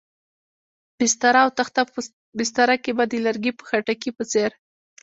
بستره او تخته، په بستره کې به د لرګي په خټکي په څېر.